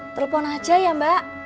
telepon aja ya mbak